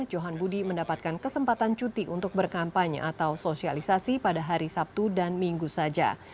johan budi mendapatkan kesempatan cuti untuk berkampanye atau sosialisasi pada hari sabtu dan minggu saja